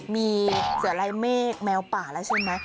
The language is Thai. มีเสือไร้เมฆแมวป่าแล้วใช่ไหม